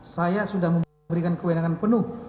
saya sudah memberikan kewenangan penuh